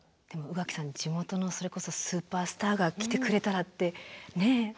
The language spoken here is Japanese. でも宇垣さん地元のそれこそスーパースターが来てくれたらって。ねえ？